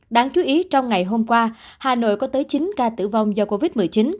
đáng chú ý trong ngày hôm qua hà nội có tới chín ca tử vong do covid một mươi chín